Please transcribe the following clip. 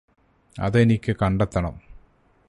അതെനിക്ക് കണ്ടെത്തണം